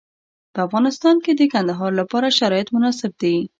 په افغانستان کې د کندهار لپاره شرایط مناسب دي.